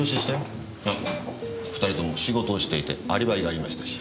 あ２人とも仕事をしていてアリバイがありましたし。